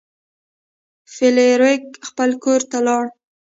فلیریک خپل کور ته لاړ.